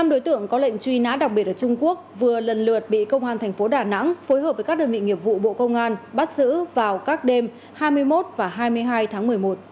năm đối tượng có lệnh truy nã đặc biệt ở trung quốc vừa lần lượt bị công an thành phố đà nẵng phối hợp với các đơn vị nghiệp vụ bộ công an bắt giữ vào các đêm hai mươi một và hai mươi hai tháng một mươi một